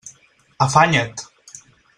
Afanya't!